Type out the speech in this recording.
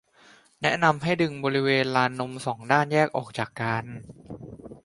แนะนำให้ดึงบริเวณลานนม สอง ด้านแยกออกจากกัน